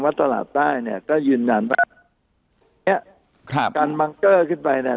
วัดตราบใต้เนี่ยก็ผงไว้เนี่ยตรการบังค์เกอร์ขึ้นไปเนี่ย